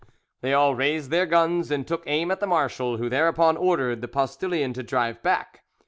They all raised their guns and took aim at the marshal, who thereupon ordered the postillion to drive back.